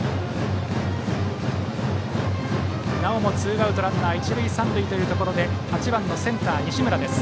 なおもツーアウトランナー、一塁三塁で８番センター、西村。